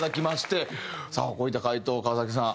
さあこういった回答川崎さん。